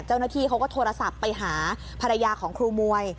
เจ้าหน้าที่เขาก็โทรศัพท์ไปหาภรรยาของครูมวย